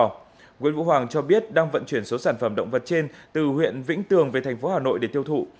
nguyễn vũ hoàng cho biết đang vận chuyển số sản phẩm động vật trên từ huyện vĩnh tường về thành phố hà nội để tiêu thụ